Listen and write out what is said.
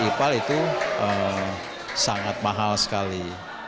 ipal itu sangat mahal sekali